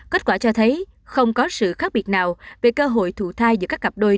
kết quả cho thấy không có sự khác biệt nào về cơ hội thụ thai giữa các cặp đôi